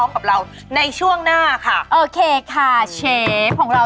เก่งหน้าของเรา